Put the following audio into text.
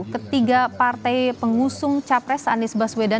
ketiga partai pengusung capres anies baswedan